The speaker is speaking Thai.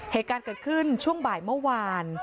เหตุการณ์เกิดขึ้นช่วงบ่ายเมื่อวาน